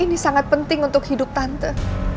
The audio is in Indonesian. ini sangat penting untuk hidup tante